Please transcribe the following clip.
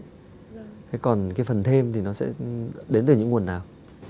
thế còn cái phần thêm thì nó sẽ đến từ những nguồn nào